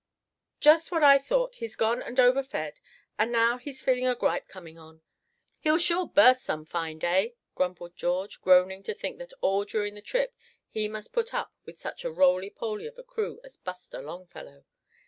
"Just what I thought, he's gone and overfed, and now he's feeling a gripe coming on; he'll sure burst some fine day," grumbled George, groaning to think that all during the trip he must put up with such a rolypoly of a crew as Buster Longfellow.